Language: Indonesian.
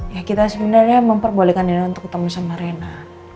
ya kita sebenarnya memperbolehkan diri untuk ketemu sama rena